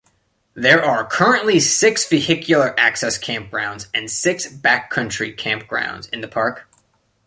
There are currently six vehicular access campgrounds and six backcountry campgrounds in the park.